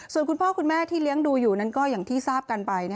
ส่วนคุณพ่อคุณแม่ที่เลี้ยงดูอยู่นั้นก็อย่างที่ทราบกันไป